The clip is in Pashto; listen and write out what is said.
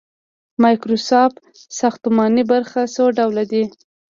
د مایکروسکوپ ساختماني برخې څو ډوله دي.